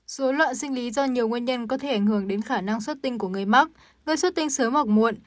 dối loạn sinh lý do nhiều nguyên nhân có thể ảnh hưởng đến khả năng xuất tinh của người mắc gây xuất tinh sớm mọc muộn